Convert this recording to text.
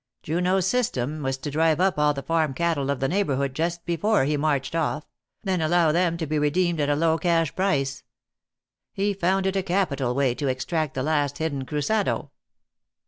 Junot s system was to drive up all the farm cattle of the neighborhood just before he marched off; then allow them to be redeemed at a low cash price. He found it a capital way to extract the last hidden crusado."